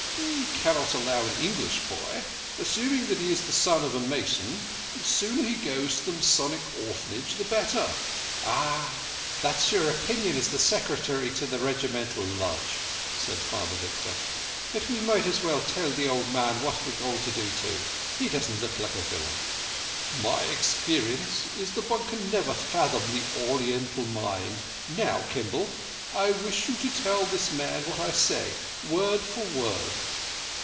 "We cannot allow an English boy—Assuming that he is the son of a Mason, the sooner he goes to the Masonic Orphanage the better." "Ah! That's your opinion as Secretary to the Regimental Lodge," said Father Victor; "but we might as well tell the old man what we are going to do. He doesn't look like a villain." "My experience is that one can never fathom the Oriental mind. Now, Kimball, I wish you to tell this man what I say word for word."